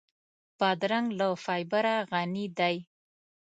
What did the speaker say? بادرنګ له فایبره غني دی.